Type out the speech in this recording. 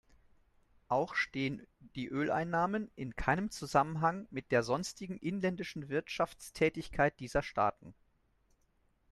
Auch stehen die Öleinnahmen in keinem Zusammenhang mit der sonstigen inländischen Wirtschaftstätigkeit dieser Staaten.